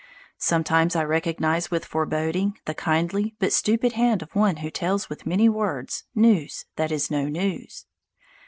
Sometimes I recognize with foreboding the kindly but stupid hand of one who tells with many words news that is no news.